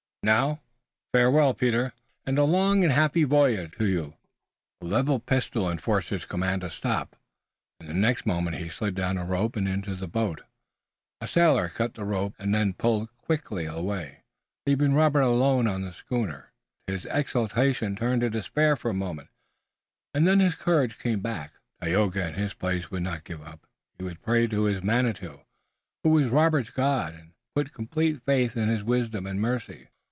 Now, farewell, Peter, and a long and happy voyage to you!" A leveled pistol enforced his command to stop, and the next moment he slid down a rope and into the boat. A sailor cut the rope and they pulled quickly away, leaving Robert alone on the schooner. His exultation turned to despair for a moment, and then his courage came back. Tayoga in his place would not give up. He would pray to his Manitou, who was Robert's God, and put complete faith in His wisdom and mercy.